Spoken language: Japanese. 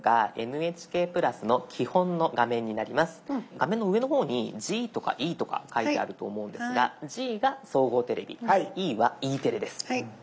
画面の上の方にＧとかＥとか書いてあると思うんですがＧが総合テレビＥはＥテレです。